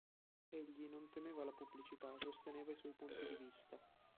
Egli non temeva la pubblicità e sosteneva i suoi punti di vista.